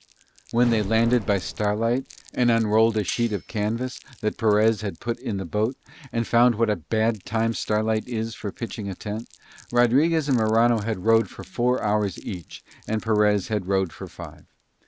When they landed by starlight and unrolled a sheet of canvas that Perez had put in the boat, and found what a bad time starlight is for pitching a tent, Rodriguez and Morano had rowed for four hours each and Perez had rowed for five.